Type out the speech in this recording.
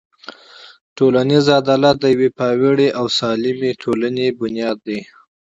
ټولنیز عدالت د یوې پیاوړې او سالمې ټولنې بنسټ دی.